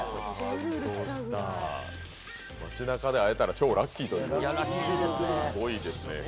街なかで会えたら超ラッキーという、すごいですね。